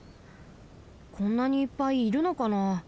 こんなにいっぱいいるのかな？